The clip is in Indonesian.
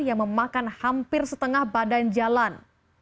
yang memakan hampir setengah badan jalan